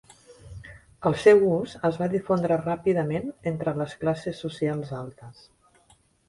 El seu ús es va difondre ràpidament entre les classes socials altes.